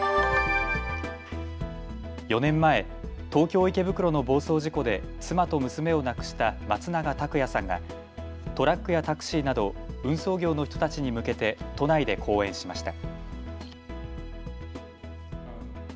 ４年前、東京池袋の暴走事故で妻と娘を亡くした松永拓也さんがトラックやタクシーなど運送業の人たちに向けて都内で講演しました。